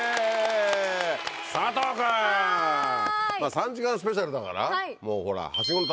３時間スペシャルだからもうほら。